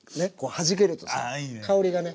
はじけるとさ香りがね。